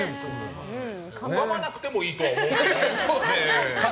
飼わなくてもいいとは思うけど。